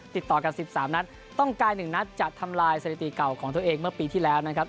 ติดต่อกันสิบสามนัดต้องการหนึ่งนัดจะทำลายเศรษฐีเก่าของตัวเองเมื่อปีที่แล้วนะครับ